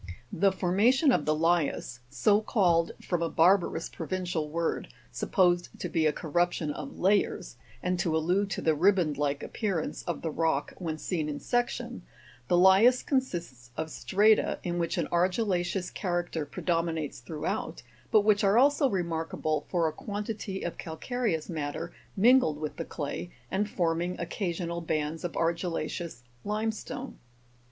34. The formation of the LIAS so called from a barbarous pro vincial word, supposed to be a corruption of layers, and to allude to the riband like appearance of the rock when seen in section the Lias consists of strata, in which an argilla'ceous character pre dominates throughout, but which are also remarkable for a quan tity of calcareous matter mingled with the clay, and forming occasional bands of argilla'ceous limestone.